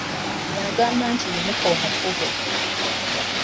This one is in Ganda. N'agamba nti Yimuka omukube.